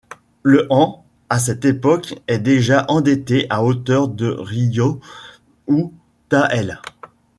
Le han, à cette époque est déjà endetté à hauteur de ryō ou tael.